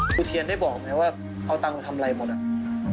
เทียนได้บอกไหมว่าเอาตังค์มาทำอะไรหมดอ่ะ